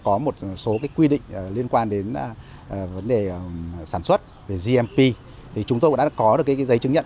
có một số quy định liên quan đến vấn đề sản xuất về gmp thì chúng tôi đã có được giấy chứng nhận